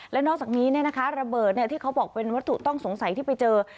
และนอกจากนี้ระเบิดที่เขาบอกเป็นวัตถุต้องสงสัยที่ไปเจอ